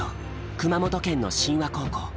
熊本県の真和高校。